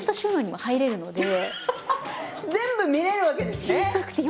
全部見えるわけですね。